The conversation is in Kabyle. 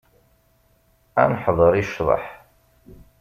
Ad neḥḍer i ccḍeḥ.